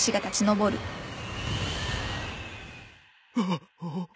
あっ。